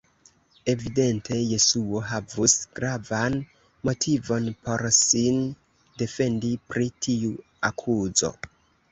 Evidente Jesuo havus gravan motivon por sin defendi pri tiu akuzo.